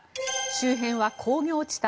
周辺は工業地帯。